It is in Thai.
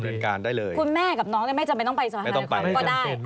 ไม่จำเป็นต้องไปร่วมสภาธนาความ